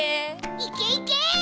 いけいけ！